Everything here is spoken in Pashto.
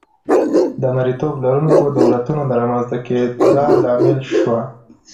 د مریتوب لرونکو دولتونو د رامنځته کېدا لامل شوه.